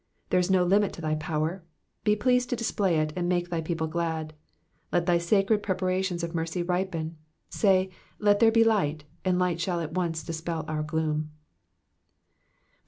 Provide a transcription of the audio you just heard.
There is no limit to thy power ; be pleased to display it and make thy people glad. Let thy sacred preparations of mercy ripen ; say, Let there be light,'* and light shall at once dispel our gloom.